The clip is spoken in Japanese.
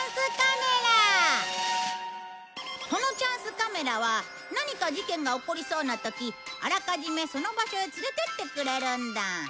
このチャンスカメラは何か事件が起こりそうな時あらかじめその場所へ連れて行ってくれるんだ。